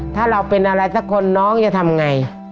ถ้าเราเป็นอะไรสักคนน้องจะทำไง